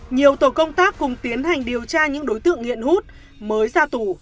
nhiều tổ công tác cùng tiến hành điều tra những đối tượng nghiện hút mới ra tù